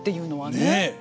ねえ。